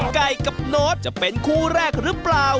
ไก่กับโน้ตจะเป็นคู่แรกหรือเปล่า